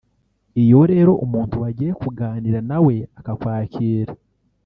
Iyo rero umuntu wagiye kuganira nawe akakwakira